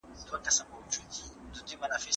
په پخوانیو وختونو کې زعفران په سیوري کې وچېدل.